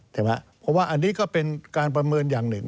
ใช่ไหมเพราะว่าอันนี้ก็เป็นการประเมินอย่างหนึ่ง